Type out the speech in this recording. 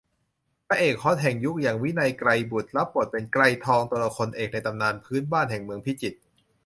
พระเอกฮอตแห่งยุคอย่าง วินัย ไกรบุตร รับบทเป็น ไกรทอง ตัวละครเอกในตำนานพื้นบ้านแห่งเมืองพิจิตร